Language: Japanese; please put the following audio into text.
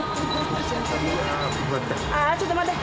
・ちょっと待って！